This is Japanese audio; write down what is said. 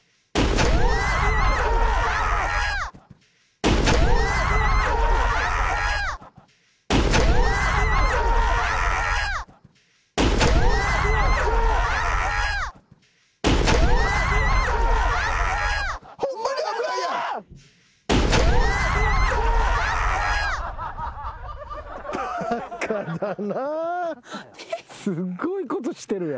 すっごいことしてるやん。